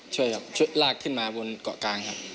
ช่วยลากขึ้นมาบนเกาะกลางครับ